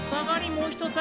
もう一皿！